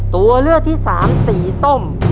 ตัวเลือกที่สามสีส้ม